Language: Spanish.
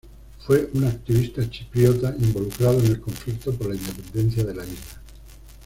Fue un activista chipriota involucrado en el conflicto por la independencia de la isla.